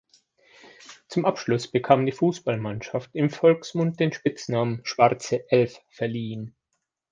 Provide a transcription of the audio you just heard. Zum Anschluss bekam die Fußballmannschaft im Volksmund den Spitznamen "Schwarze Elf" verliehen.